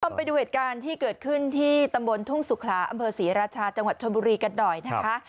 ไปดูเหตุการณ์ที่เกิดขึ้นที่ตำบลทุ่งสุขลาอำเภอศรีราชาจังหวัดชนบุรีกันหน่อยนะคะ